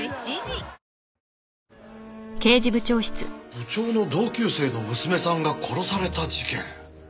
部長の同級生の娘さんが殺された事件？